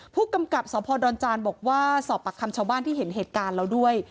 ผู้กำกับสพดอนจานบอกว่าสอบปากคำชาวบ้านที่เห็นเหตุการณ์แล้วด้วย